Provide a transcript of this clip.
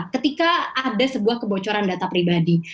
ketika ada sebuah kebocoran data pribadi